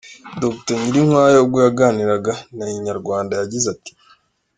Dr Nyirinkwaya ubwo yaganiraga na Inyarwanda, yagize ati: .